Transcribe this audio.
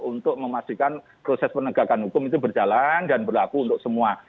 untuk memastikan proses penegakan hukum itu berjalan dan berlaku untuk semua